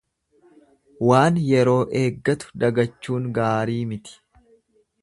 Waan yeroo eeggatu dagachuun gaarii miti.